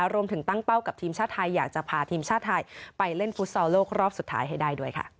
รวมถึงตั้งเป้ากับทีมชาติไทยอยากจะพาทีมชาติไทยไปเล่นฟุตซอลโลกรอบสุดท้ายให้ได้ด้วยค่ะ